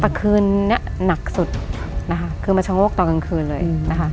แต่คืนนี้หนักสุดนะคะคือมาชะโงกตอนกลางคืนเลยนะคะ